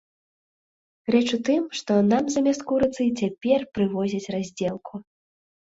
Рэч у тым, што нам замест курыцы цяпер прывозяць раздзелку.